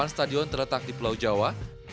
delapan stadion terletak di pulau jawa